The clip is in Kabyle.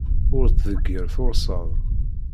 Ur ttḍeggir tursaḍ!